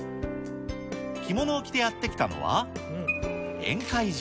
着物を着てやって来たのは、宴会場。